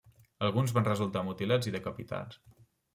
Alguns van resultar mutilats i decapitats.